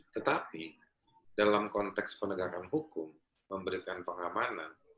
tetapi dalam konteks penegakan hukum memberikan pengamanan